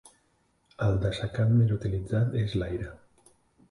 El dessecant més utilitzat és l'aire.